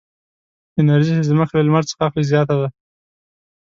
انرژي چې ځمکه له لمر څخه اخلي زیاته ده.